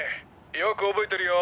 よく覚えてるよ。